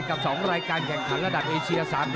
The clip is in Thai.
กับ๒รายการแข่งขันระดับเอเชีย๓๐